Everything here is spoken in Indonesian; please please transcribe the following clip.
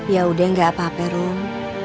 yaudah gak apa apa rum